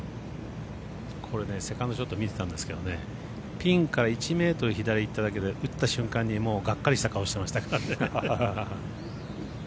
これ、セカンドショット見てたんですけどピンから１ｍ左いっただけで打った瞬間にもうがっかりした顔してましたからね。